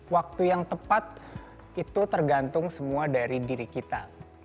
waktu yang tepat itu tergantung semua dari diri kita